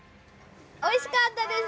おいしかったです！